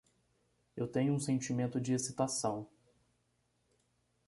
Eu tenho um sentimento de excitação